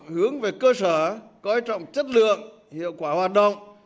hướng về cơ sở coi trọng chất lượng hiệu quả hoạt động